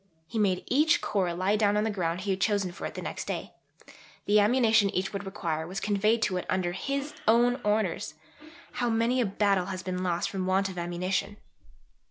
He made each Corps lie down on the ground he had chosen for it the next day; the ammunition each would require was conveyed to it under his own orders (how many a battle has been lost from want of ammunition!)